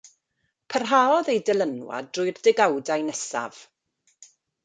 Parhaodd ei dylanwad drwy'r degawdau nesaf.